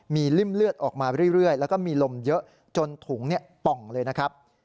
มีริ่มเลือดออกมาเรื่อยแล้วก็มีลมเยอะจนถุงป่องเลยนะครับ